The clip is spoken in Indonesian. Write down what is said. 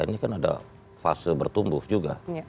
ini kan ada fase bertumbuh juga